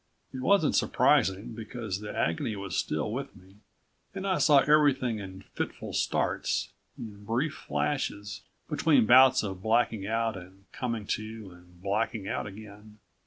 It wasn't surprising, because the agony was still with me and I saw everything in fitful starts, in brief flashes, between bouts of blacking out and coming to and blacking out again.